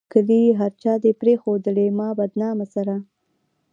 کلي هر چا دې پريښودلي ما بدنامه سره